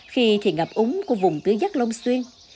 khi thì ngập úng của vùng tứ giác long xuyên